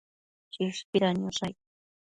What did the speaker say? Chishpida niosh aid